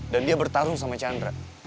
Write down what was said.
dan dia bertarung sama chandra